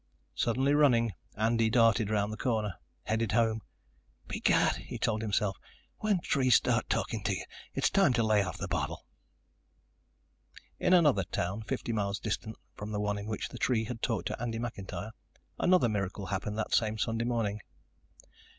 Suddenly running, Andy darted around the corner, headed home. "Begad," he told himself, "when trees start talkin' to you it's time to lay off the bottle!" In another town fifty miles distant from the one in which the tree had talked to Andy McIntyre, another miracle happened that same Sunday morning.